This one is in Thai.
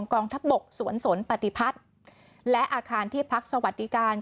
กองทัพบกสวนสนปฏิพัฒน์และอาคารที่พักสวัสดิการ